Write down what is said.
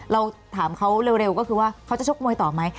เราถามเขาเร็วก็คือว่าเขาจะชกมวยต่อไหม